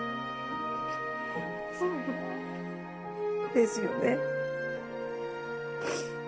ですよね。